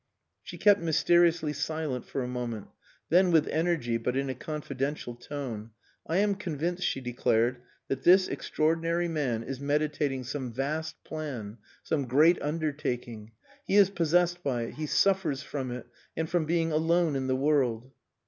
She kept mysteriously silent for a moment. Then with energy, but in a confidential tone "I am convinced;" she declared, "that this extraordinary man is meditating some vast plan, some great undertaking; he is possessed by it he suffers from it and from being alone in the world."